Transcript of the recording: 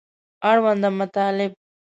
اړونده مطالب